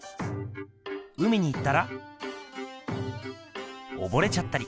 海に行ったら溺れちゃったり。